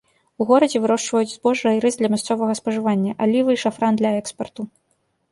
У горадзе вырошчваюць збожжа і рыс для мясцовага спажывання, алівы і шафран для экспарту.